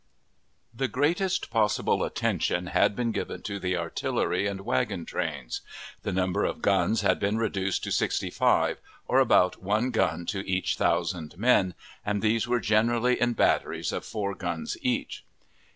The greatest possible attention had been given to the artillery and wagon trains. The number of guns had been reduced to sixty five, or about one gun to each thousand men, and these were generally in batteries of four guns each.